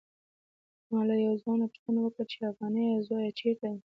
ما له یو ځوان نه پوښتنه وکړه چې افغانیه زاویه چېرته ده.